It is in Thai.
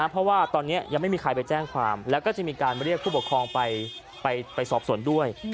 เพราะตอนนี้ยังไม่มีใครไปแจ้งความและมีข้อบครองไปสอบสวนด้วย